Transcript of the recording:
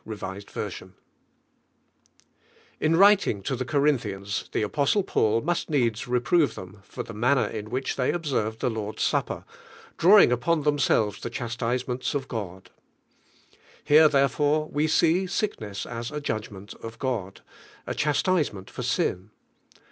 IS writing to the Ooriatuians the Apostle Paul must needs reprove tliem for ttie manner in which they observed the Lord's Supper, drawing up. on themselves the chastisements of God. Here, therefore, we wee sickness as f a Judgment of God, a chastisement for sin.